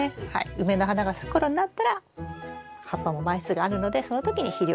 梅の花が咲く頃になったら葉っぱも枚数があるのでその時に肥料をあげる。